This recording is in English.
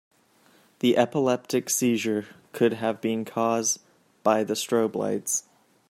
The epileptic seizure could have been cause by the strobe lights.